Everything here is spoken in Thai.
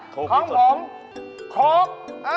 ของผมครบ